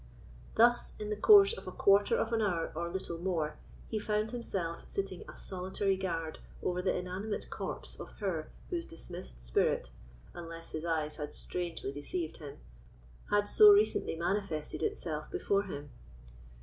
Thus, in the course of a quarter of an hour or little more, he found himself sitting a solitary guard over the inanimate corpse of her whose dismissed spirit, unless his eyes had strangely deceived him, had so recently manifested itself before him.